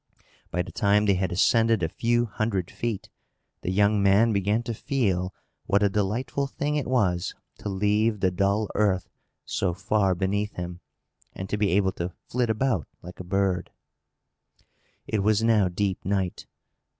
By the time they had ascended a few hundred feet, the young man began to feel what a delightful thing it was to leave the dull earth so far beneath him, and to be able to flit about like a bird. It was now deep night.